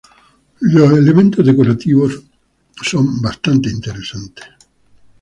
Los elementos decorativos son bastante interesantes.